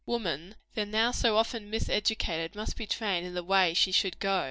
Woman, then, now so often miseducated, must be trained in the way she should go.